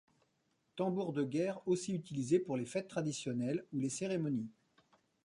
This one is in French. Tambour de guerre aussi utilisé pour les fêtes traditionnelles ou les cérémonies.